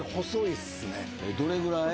どれぐらい？